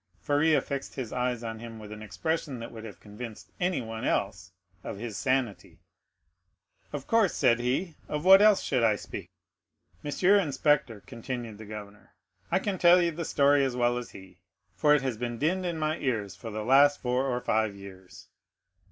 Faria fixed his eyes on him with an expression that would have convinced anyone else of his sanity. "Of course," said he; "of what else should I speak?" "Mr. Inspector," continued the governor, "I can tell you the story as well as he, for it has been dinned in my ears for the last four or five years."